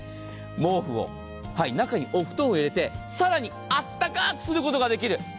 毛布を中にお布団を入れて更にあったかくすることができる。